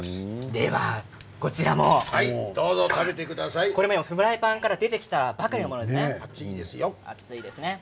ではこちらも今フライパンから出てきたばかり熱いですよ。